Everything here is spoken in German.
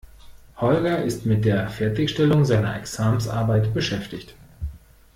Holger ist mit der Fertigstellung seiner Examensarbeit beschäftigt.